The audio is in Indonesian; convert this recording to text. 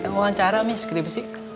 emang wawancara mi skripsi